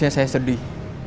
seharusnya saya sedih